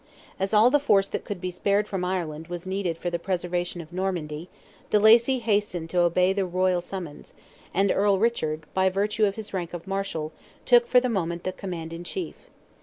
As all the force that could be spared from Ireland was needed for the preservation of Normandy, de Lacy hastened to obey the royal summons, and Earl Richard, by virtue of his rank of Marshal, took for the moment the command in chief.